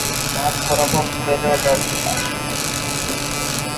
মাঝ বরাবর খুলে দেওয়ার ব্যবস্থা।